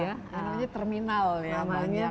ya namanya terminal ya